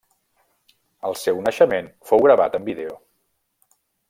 El seu naixement fou gravat en vídeo.